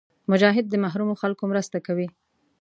مجاهد د محرومو خلکو مرسته کوي.